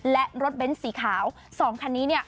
และรถเบ้นสีขาว๒คันนี้เนี่ย